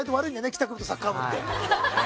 帰宅部とサッカー部って。